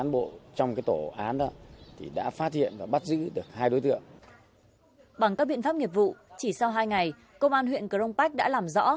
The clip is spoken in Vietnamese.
bằng các biện pháp nghiệp vụ chỉ sau hai ngày công an huyện cronpac đã làm rõ